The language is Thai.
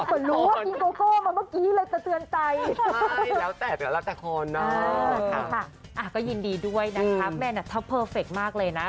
ครับแม่เนี่ยเท่าเพอร์เฟคมากเลยนะ